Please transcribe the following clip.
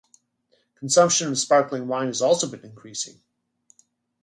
Consumption of sparkling wine has also been increasing.